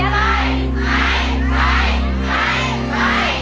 ใช้